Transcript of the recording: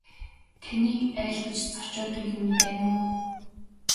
Таныг айлгаж цочоодог юм байна уу.